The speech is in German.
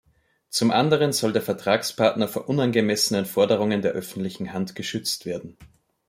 Zum anderen soll der Vertragspartner vor unangemessenen Forderungen der öffentlichen Hand geschützt werden.